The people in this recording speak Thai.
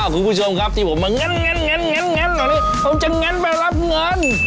ครับที่ผมมาเงินผมจะเงินไปรับเงิน